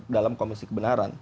dalam komisi kebenaran